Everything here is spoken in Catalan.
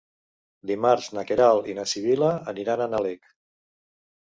Dimarts na Queralt i na Sibil·la aniran a Nalec.